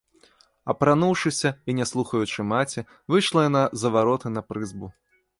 Апрануўшыся і не слухаючы маці, выйшла яна за вароты на прызбу.